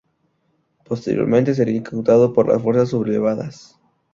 Posteriormente, sería incautado por las fuerzas sublevadas.